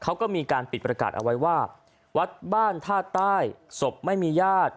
เขาก็มีการปิดประกาศเอาไว้ว่าวัดบ้านท่าใต้ศพไม่มีญาติ